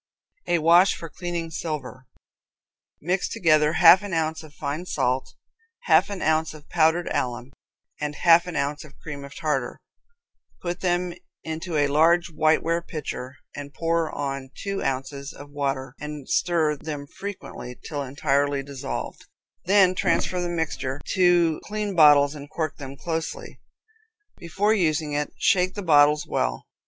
A Wash for Cleaning Silver. Mix together half an ounce of fine salt, half an ounce of powdered alum, and half an ounce of cream of tartar. Put them into a large white ware pitcher, and pour on two ounces of water, and stir them frequently, till entirely dissolved. Then transfer the mixture to clean bottles and cork them closely. Before using it, shake the bottles well.